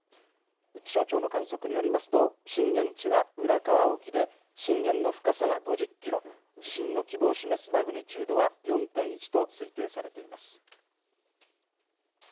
気象庁の観測によりますと震源地は浦河沖で震源の深さは５０キロ地震の規模を示すマグニチュードは４．１と推定されています。